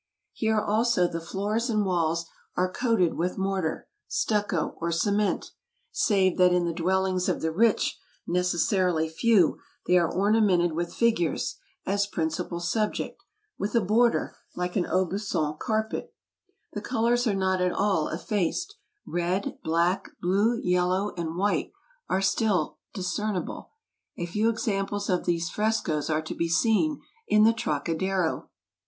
Here also the floors and walls are coated with mortar, stucco, or cement, save that in the dwellings of the rich, necessarily few, they are ornamented with figures, as prin cipal subject, with a border like an Aubusson carpet. The colors are not all effaced, red, black, blue, yellow, and white, are still discernible ; a few examples of these frescoes are to be seen in the Trocadero.